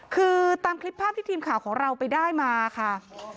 คือตามคลิปภาพที่ทีมข่าวของเราไปได้มาค่ะ